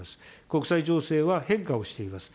国際情勢は変化をしています。